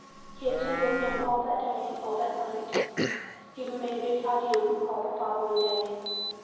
He attended him all that day, all that night; he remained beside him all the follow ing day.